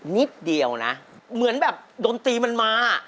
นิดเดียวนะเหมือนแบบดนตรีมันมา